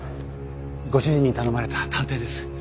ご主人に頼まれた探偵です。